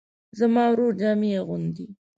زما ورور جامې اغوندي